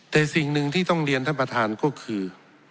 แต่สิ่งหนึ่งที่ต้องเรียนท่านประธานก็คือ